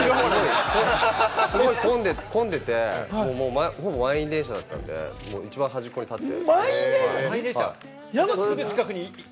すごい混んでて、ほぼ満員電車だったんで、一番端っこに立って。